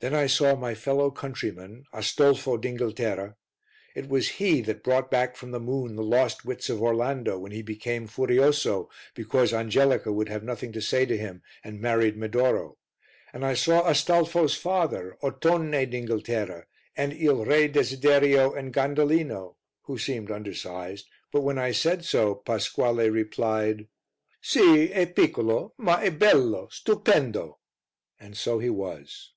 Then I saw my fellow countryman, Astolfo d'Inghilterra; he it was that brought back from the moon the lost wits of Orlando when he became furioso because Angelica would have nothing to say to him and married Medoro. And I saw Astolfo's father, Ottone d'Inghilterra, and Il Re Desiderio and Gandellino, who seemed undersized; but when I said so, Pasquale replied "Si, e piccolo, ma e bello stupendo," and so he was.